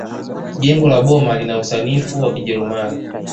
jengo la boma lina usanifu wa kijerumani